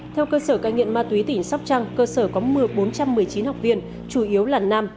theo cơ sở cai nghiện ma túy tỉnh sóc trang cơ sở có một nghìn bốn trăm một mươi chín học viên chủ yếu là năm